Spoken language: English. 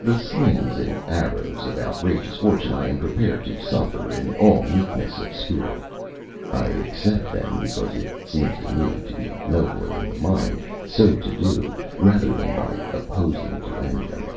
The slings and arrows of outrageous fortune I am prepared to suffer in all meekness of spirit; I accept them because it seems to me to be nobler in the mind so to do rather than by opposing to end them.